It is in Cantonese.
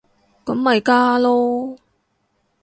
咁咪加囉